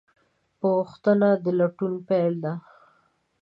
پوښتنه د لټون پیل ده.